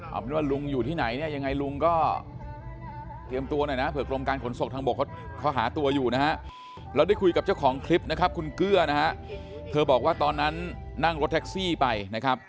เอาเป็นว่าลุงอยู่ที่ไหนเนี่ยยังไงลุงก็เตรียมตัวหน่อยนะเผื่อกรมการขนส่งทางบกเขาหาตัวอยู่นะฮะเราได้คุยกับเจ้าของคลิปนะครับคุณเกื้อนะฮะเธอบอกว่าตอนนั้นนั่งรถแท็กซี่ไปนะครับ